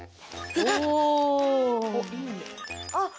あっ！